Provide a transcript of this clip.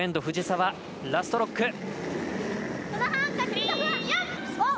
藤澤、ラストロック。